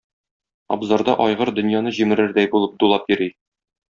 Абзарда айгыр дөньяны җимерердәй булып дулап йөри.